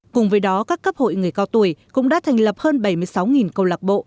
cùng với đó các cấp hội người cao tuổi cũng đã thành lập hơn bảy mươi sáu câu lạc bộ